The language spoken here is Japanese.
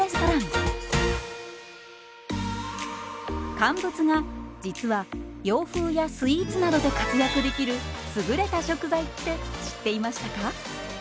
乾物が実は洋風やスイーツなどで活躍できる優れた食材って知っていましたか？